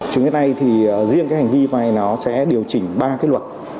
chúng tôi sẽ điều chỉnh ba luật